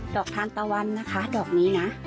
อกทานตะวันนะคะดอกนี้นะ